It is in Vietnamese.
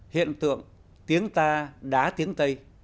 hiện tượng tiếng ta đá tiếng tây